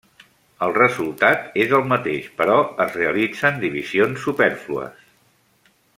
El resultat és el mateix, però es realitzen divisions supèrflues.